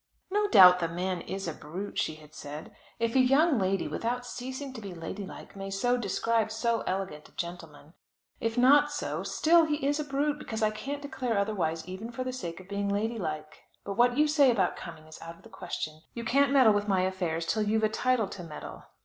"No doubt the man is a brute," she had said, "if a young lady, without ceasing to be ladylike, may so describe so elegant a gentleman. If not so, still he is a brute, because I can't declare otherwise, even for the sake of being ladylike. But what you say about coming is out of the question. You can't meddle with my affairs till you've a title to meddle.